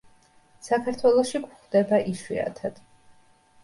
საქართველოში გვხვდება იშვიათად.